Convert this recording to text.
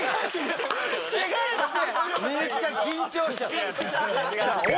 違うって！